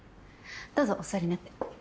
どうぞお座りになって。